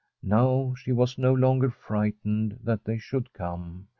Now she was no fonger frightened that they should come.